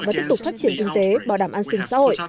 và tiếp tục phát triển kinh tế bảo đảm an sinh xã hội